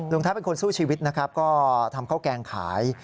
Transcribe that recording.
ลุงทัศน์เป็นคนสู้ชีวิตก็ทำเข้าแกงขาย